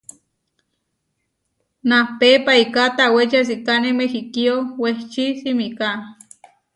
Napé paiká tawéči asikáne Mehikío wehči simiká.